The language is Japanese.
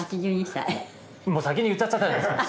もう先に言っちゃったじゃないですか。